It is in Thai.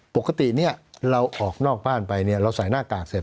ปกติเราออกนอกบ้านไปเราใส่หน้ากากเสร็จ